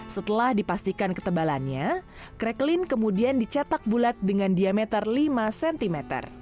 setelah dipastikan ketebalannya crequin kemudian dicetak bulat dengan diameter lima cm